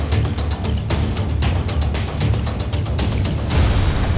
โปรดติดตามตอนต่อไป